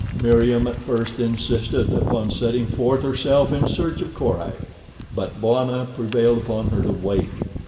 Meriem at first insisted upon setting forth herself in search of Korak, but Bwana prevailed upon her to wait.